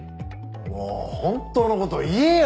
もう本当の事言えよ！